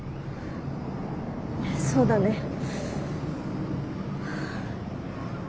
そうだね。